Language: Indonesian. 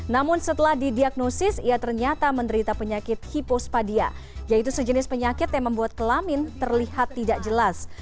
namun setelah didiagnosis ia ternyata menderita penyakit hipospadia yaitu sejenis penyakit yang membuat kelamin terlihat tidak jelas